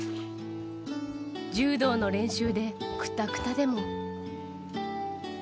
柔道の練習でくたくたでも。